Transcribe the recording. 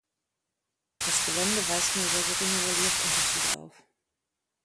Das Gelände weist nur sehr geringe Reliefunterschiede auf.